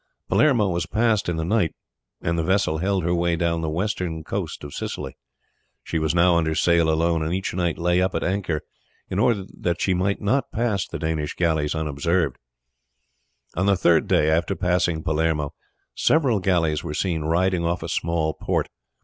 Palermo was passed in the night, and the vessel held her way down the western coast of Sicily. She was now under sail alone, and each night lay up at anchor in order that she might not pass the Danish galleys unobserved. On the third day after passing Palermo, several galleys were seen riding off a small port.